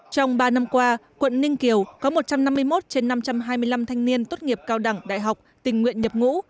trong ba năm qua quận ninh kiều có một trăm năm mươi một trên năm trăm hai mươi năm thanh niên tốt nghiệp cao đẳng đại học tình nguyện nhập ngũ